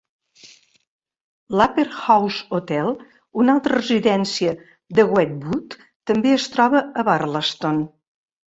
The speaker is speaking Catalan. L"Upper House Hotel, una altra residència de Wedgwood, també es troba a Barlaston.